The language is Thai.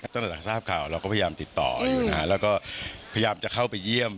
ตั้งแต่ทราบข่าวเราก็พยายามติดต่อแล้วก็พยายามจะเข้าไปเยี่ยม